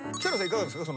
いかがですか？